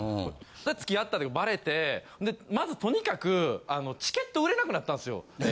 付き合った時バレてまずとにかくチケット売れなくなったんですよ。